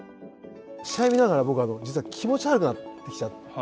試合見ながら僕実は気持ち悪くなってきちゃって。